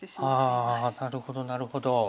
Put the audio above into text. あなるほどなるほど。